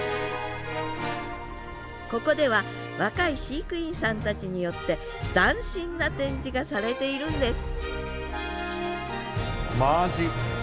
ここでは若い飼育員さんたちによって斬新な展示がされているんですマアジ。